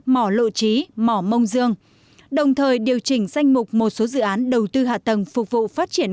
mỏ lộ trí mỏ mông dương đồng thời điều chỉnh danh mục một số dự án đầu tư hạ tầng phục vụ phát triển